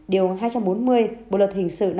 điều hai trăm bốn mươi bộ luật hình sự